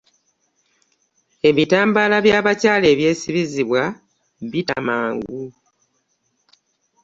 Ebitambaala by'abakyala eby'esibizibwa bita mangu.